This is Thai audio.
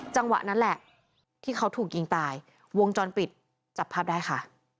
จังหวะนั้นแหละที่เขาถูกยิงตายวงจรปิดจับภาพได้ค่ะ